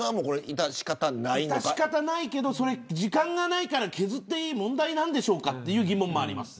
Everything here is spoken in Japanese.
致し方ないけど時間がないから削っていい問題なんでしょうかという疑問もあります。